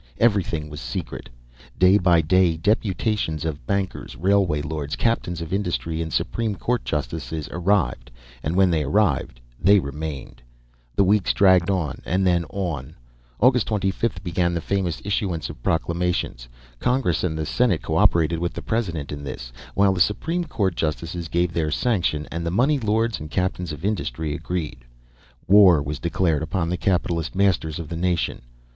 Everything was secret. Day by day deputations of bankers, railway lords, captains of industry, and Supreme Court justices arrived; and when they arrived they remained. The weeks dragged on, and then, on August 25, began the famous issuance of proclamations. Congress and the Senate co operated with the President in this, while the Supreme Court justices gave their sanction and the money lords and the captains of industry agreed. War was declared upon the capitalist masters of the nation.